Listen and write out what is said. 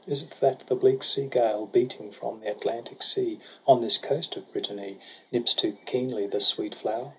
Is it that the bleak sea gale Beating from the Atlantic sea On this coast of Brittany, Nips too keenly the sweet flower?